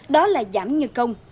đó là giảm nhân công